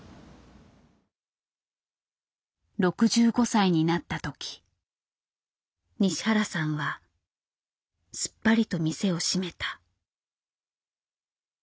６５歳になった時西原さんはすっぱりと店を閉めた。